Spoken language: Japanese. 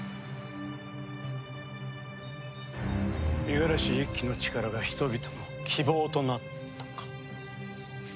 五十嵐一輝の力が人々の希望となったか。